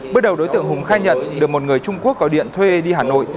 bước đầu đối tượng hùng khai nhận được một người trung quốc gọi điện thuê đi hà nội